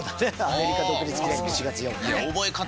アメリカ独立記念日７月４日。